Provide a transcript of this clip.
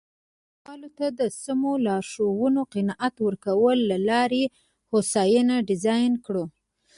سیاستوالو ته د سمو لارښوونو قناعت ورکولو له لارې هوساینه ډیزاین کړو.